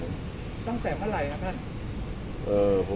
ตั้งแต่เมื่อไหร่ครับท่าน